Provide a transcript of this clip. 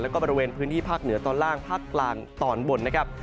แล้วก็บริเวณพื้นที่ภาคเหนือตอนล่างภาคกลางตอนบนนะครับ